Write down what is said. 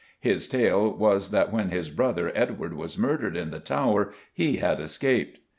His tale was that when his "brother" Edward was murdered in the Tower, he had escaped.